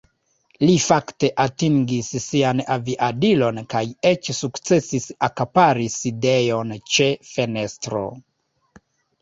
Li fakte atingis sian aviadilon kaj eĉ sukcesis akapari sidejon ĉe fenestro.